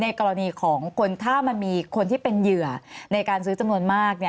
กรณีของคนถ้ามันมีคนที่เป็นเหยื่อในการซื้อจำนวนมาก